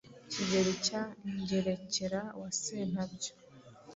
Kigeli cya Ngerekera wasentabyo